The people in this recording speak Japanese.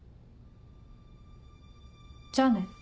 じゃあね。